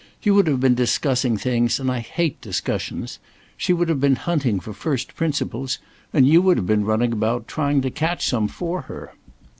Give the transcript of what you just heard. You would have been discussing things, and I hate discussions. She would have been hunting for first principles, and you would have been running about, trying to catch some for her.